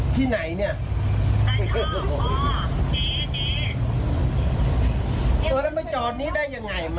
ที่ไหนเนี่ย